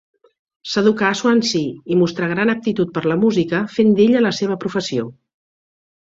S'educà a Swansea i mostrà gran aptitud per la música, fent d'ella la seva professió.